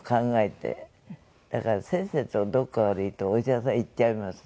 だからせっせとどこか悪いとお医者さん行っちゃいます。